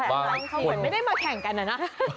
มันไม่ได้มาแข่งกันอ่ะนะ